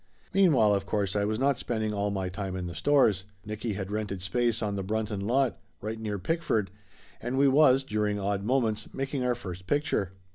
Meanwhile of course I was riot spending all my time in the stores. Nicky had rented space on the Brunton lot, right near Pickford, and we was, during odd mo ments, making our first picture.